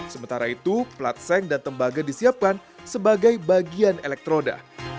sementara itu plat seng dan tembaga disiapkan sebagai bagian elektroda